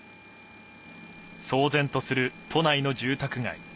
騒然とする都内の住宅街。